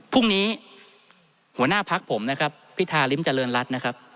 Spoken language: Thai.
พรุ่งนี้หัวหน้าพักผมนะครับพิธาริมเจริญรัฐนะครับ